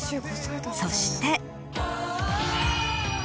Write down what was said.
そして。